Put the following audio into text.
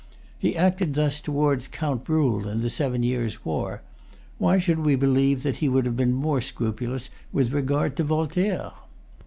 He acted thus towards Count Bruhl in the Seven Years' War. Why should we believe that he would have been more scrupulous with regard to Voltaire?